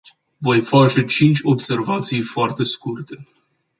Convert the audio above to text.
Voi face cinci observații foarte scurte.